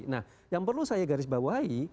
nah yang perlu saya garisbawahi